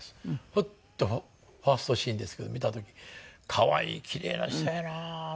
ふっとファーストシーンですけど見た時に可愛いキレイな人やなって。